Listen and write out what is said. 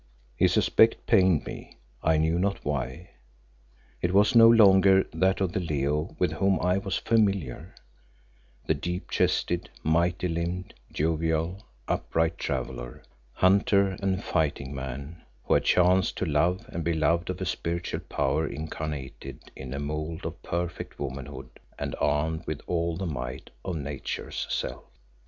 His aspect pained me, I knew not why. It was no longer that of the Leo with whom I was familiar, the deep chested, mighty limbed, jovial, upright traveller, hunter and fighting man who had chanced to love and be loved of a spiritual power incarnated in a mould of perfect womanhood and armed with all the might of Nature's self.